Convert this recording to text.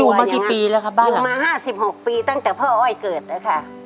อยู่มากี่ปีแล้วครับบ้านอยู่มาห้าสิบหกปีตั้งแต่พ่ออ้อยเกิดเลยค่ะ